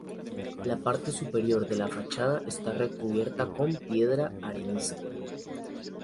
La parte superior de la fachada está recubierta con piedra arenisca.